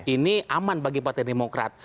ini aman bagi partai demokrat